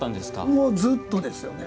もうずっとですよね。